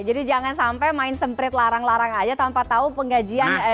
jadi jangan sampai main semprit larang larang aja tanpa tahu penggajian itu